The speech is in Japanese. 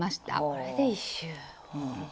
これで１周。